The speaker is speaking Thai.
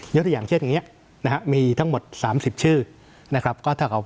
ยกที่อย่างเช่นนี้นะฮะมีทั้งหมด๓๐ชื่อนะครับ